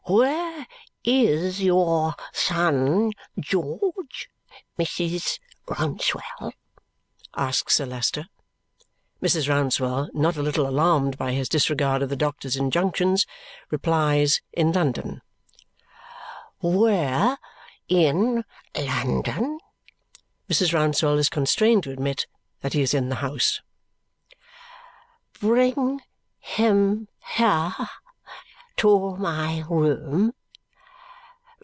"Where is your son George, Mrs. Rouncewell?" asks Sir Leicester, Mrs. Rouncewell, not a little alarmed by his disregard of the doctor's injunctions, replies, in London. "Where in London?" Mrs. Rouncewell is constrained to admit that he is in the house. "Bring him here to my room.